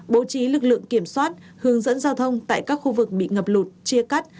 bố trí lực lượng kiểm soát hướng dẫn giao thông tại các khu vực bị ngập lụt chia cắt